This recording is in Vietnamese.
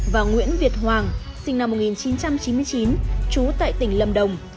và nguyễn việt hoàng sinh năm một nghìn chín trăm chín mươi chín trú tại tỉnh lâm đồng